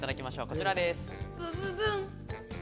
こちらです。